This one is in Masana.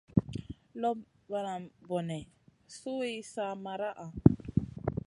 Lop nalam bone su yi san maraʼha?